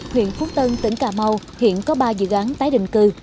huyện phú tân tỉnh cà mau hiện có ba dự án tái định cư